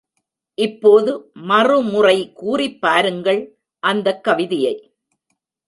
இப்போது மறுமுறை கூறிப்பாருங்கள் அந்தக் கவிதையை.